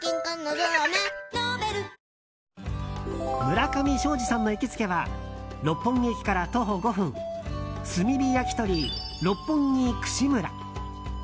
村上ショージさんの行きつけは六本木駅から徒歩５分炭火焼とり六本木串むら。